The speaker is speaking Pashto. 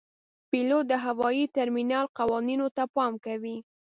پیلوټ د هوايي ترمینل قوانینو ته پام کوي.